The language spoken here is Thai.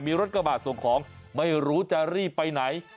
มีรถกระบาดส่งของไม่รู้จะรีบไปไหน